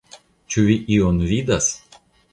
Ĉu vi ion vidas?